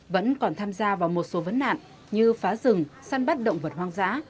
vẫn còn tham gia vào một số vấn nạn như phá rừng săn bắt động vật hoang dã